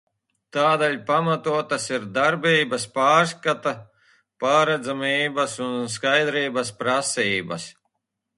Tādēļ pamatotas ir darbības pārskata, pārredzamības un skaidrības prasības.